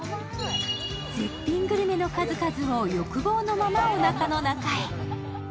絶品グルメの数々を欲望のままおなかの中へ。